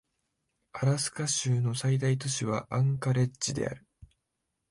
アラスカ州の最大都市はアンカレッジである